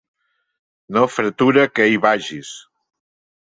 No fretura que hi vagis.